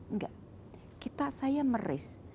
enggak saya meris